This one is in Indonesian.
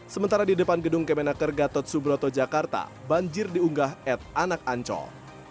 sementara di depan gedung kemenaker gatot subroto jakarta banjir diunggah ed anak ancol